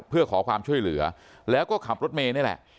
เพื่อขอความช่วยเหลือแล้วก็ขับรถเมย์นี่แหละ